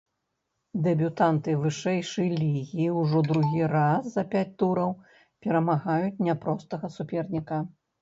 Дэбютанты вышэйшай лігі ўжо другі раз за пяць тураў перамагаюць няпростага суперніка.